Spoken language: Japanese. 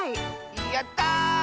やった！